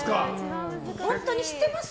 本当に知ってます？